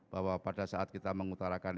bahwa pada saat kita mengutarakan